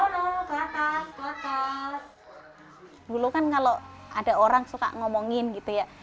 dulu kan kalau ada orang suka ngomongin gitu ya